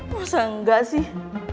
masa enggak sih